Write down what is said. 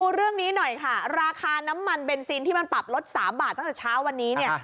เรื่องนี้หน่อยค่ะราคาน้ำมันเบนซินที่มันปรับลด๓บาทตั้งแต่เช้าวันนี้เนี่ย